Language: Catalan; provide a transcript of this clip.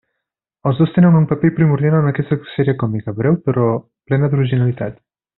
Els dos tenen un paper primordial en aquesta sèrie còmica, breu però plena d'originalitat.